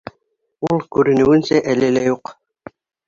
Ул, күренеүенсә, әле лә юҡ.